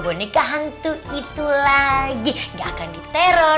boneka hantu itu lagi gak akan diteror